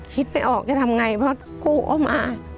คิดไม่ออกจะทำไงเพราะกู้ออกมา